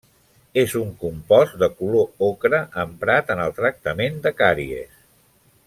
És un compost de color ocre emprat en el tractament de càries.